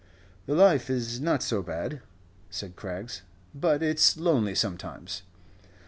"The life is not so bad," said Craggs, "but it's lonely sometimes."